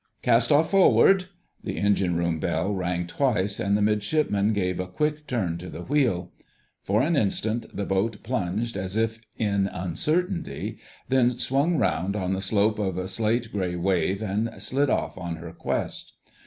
"Cast off forward!" The engine room bell rang twice, and the Midshipman gave a quick turn to the wheel. For an instant the boat plunged as if in uncertainty, then swung round on the slope of a slate grey wave and slid off on her quest.